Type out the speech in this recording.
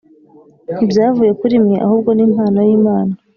ntibyavuye kuri mwe, ahubwo ni impano y'Imana;